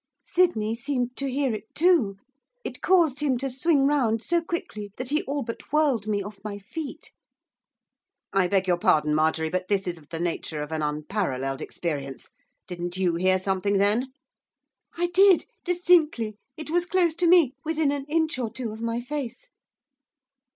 Sydney seemed to hear it too, it caused him to swing round so quickly that he all but whirled me off my feet. 'I beg your pardon, Marjorie, but this is of the nature of an unparalleled experience, didn't you hear something then?' 'I did, distinctly; it was close to me, within an inch or two of my face.